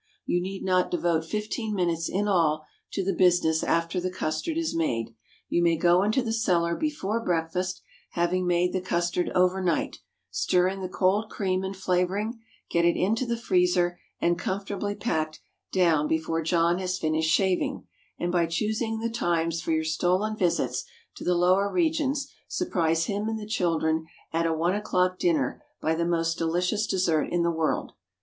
You need not devote fifteen minutes in all to the business after the custard is made. You may go into the cellar before breakfast, having made the custard overnight, stir in the cold cream and flavoring, get it into the freezer and comfortably packed down before John has finished shaving, and by choosing the times for your stolen visits to the lower regions, surprise him and the children at a one o'clock dinner by the most delicious dessert in the world.